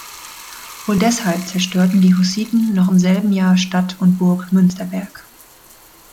Wohl deshalb zerstörten die Hussiten noch im selben Jahr Stadt und Burg Münsterberg.